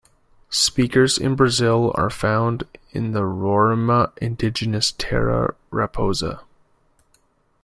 Speakers in Brazil are found in the Roraima Indigenous Terra Raposa.